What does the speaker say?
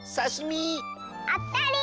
あったり！